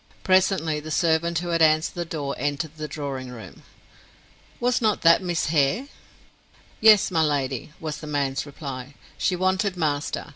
Presently the servant who had answered the door, entered the drawing room. "Was not that Miss Hare?" "Yes, my lady," was the man's reply. "She wanted master.